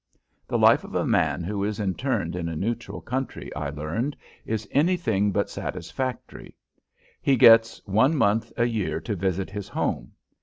The life of a man who is interned in a neutral country, I learned, is anything but satisfactory. He gets one month a year to visit his home.